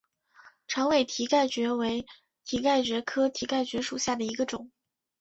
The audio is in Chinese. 长尾蹄盖蕨为蹄盖蕨科蹄盖蕨属下的一个种。